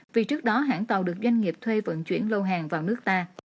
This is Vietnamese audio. vì trước đó hãng tàu được doanh nghiệp thuê vận chuyển lô hàng vào nước ta